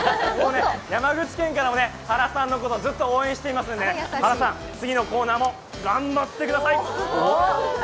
山口県からも原さんのことずっと応援してますので原さん、次のコーナーも頑張ってください。